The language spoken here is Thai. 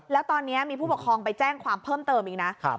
แล้วตอนนี้มีผู้ปกครองไปแจ้งความเพิ่มเติมอีกนะ